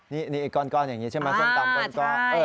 นี่ไอ้ก้อนอย่างนี้ใช่ไหมส้มตำต้นก้อน